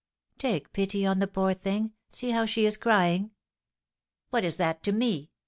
"Take pity on the poor thing, see how she is crying!" "What is that to me?